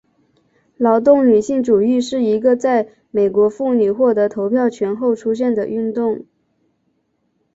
劳动女性主义是一个在美国妇女获得投票权后出现的运动。